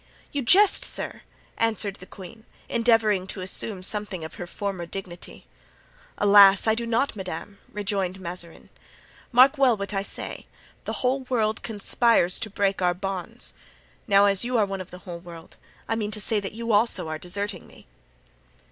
'" "You jest, sir!" answered the queen, endeavoring to assume something of her former dignity. "Alas! I do not, madame," rejoined Mazarin. "Mark well what I say. The whole world conspires to break our bonds. Now as you are one of the whole world, I mean to say that you also are deserting me."